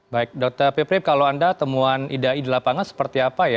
baik dr piprip kalau anda temuan ide ide lapangan seperti apa ya